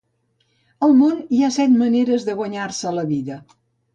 Al món hi ha set maneres de guanyar-se la vida.